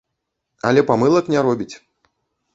Але памылак не робіць.